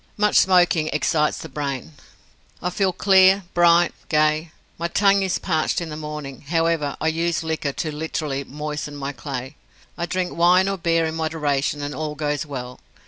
Much smoking excites the brain. I feel clear, bright, gay. My tongue is parched in the morning, however, and I use liquor to literally "moisten my clay". I drink wine or beer in moderation, and all goes well.